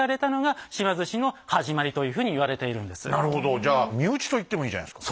じゃあ身内と言ってもいいじゃないですか。